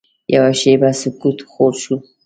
یوه شېبه سکوت خور شو.